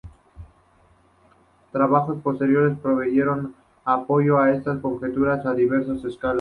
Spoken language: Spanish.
Trabajos posteriores proveyeron apoyo a estas conjeturas a diversas escalas.